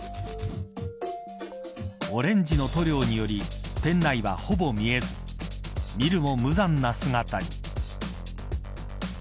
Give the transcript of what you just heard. オレンジの塗料により店内は、ほぼ見えず見るも無残な姿に。